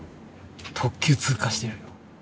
特急通過してる。